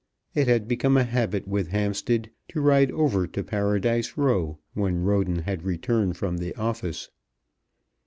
It had become a habit with Hampstead to ride over to Paradise Row when Roden had returned from the office.